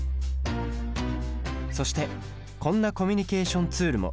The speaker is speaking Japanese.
そしてこんなコミュニケーションツールも。